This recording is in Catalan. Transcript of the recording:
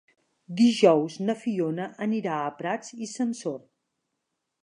Dijous na Fiona anirà a Prats i Sansor.